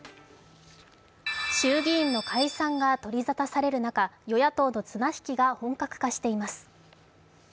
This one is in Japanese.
衆議院の解散が取り沙汰される中、与野党の綱引きが本格化しています。